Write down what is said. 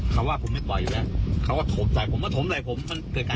ขาวความสุข